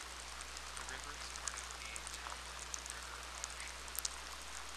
The river is part of the Taunton River watershed.